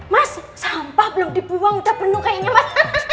mas sampah belum dibuang udah penuh kayaknya mas